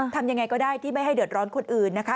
ทำยังไงก็ได้ที่ไม่ให้เดือดร้อนคนอื่นนะคะ